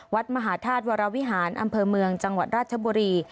วัดมหาธาตุวรวิหารอำเภอเมืองจังหวัดราชบุรี